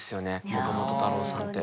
岡本太郎さんって。